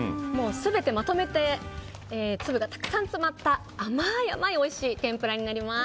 全てまとめて粒がたくさん詰まった甘いおいしい天ぷらになります。